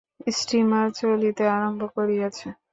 Steamer চলিতে আরম্ভ করিয়াছে।